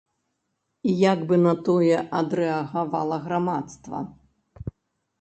І як бы на тое адрэагавала грамадства.